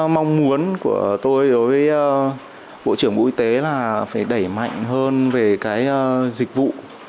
mong muốn của tôi đối với bộ trưởng bộ y tế là phải đẩy mạnh hơn về cái dịch vụ